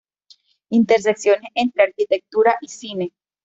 Intersecciones entre arquitectura y cine.